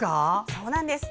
そうなんです。